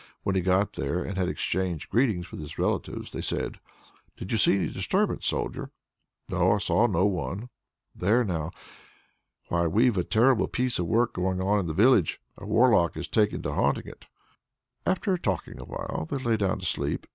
When he had got there, and had exchanged greetings with his relatives, they said: "Did you see any disturbance, Soldier?" "No, I saw none." "There now! Why we've a terrible piece of work going on in the village. A Warlock has taken to haunting it!" After talking awhile, they lay down to sleep.